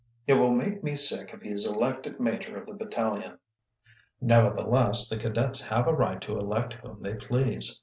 "It will make me sick if he is elected major of the battalion." "Nevertheless, the cadets have a right to elect whom they please."